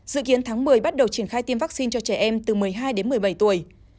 dự kiến tháng một mươi bắt đầu triển khai tiêm vaccine cho trẻ em từ một mươi hai đến một mươi bảy tuổi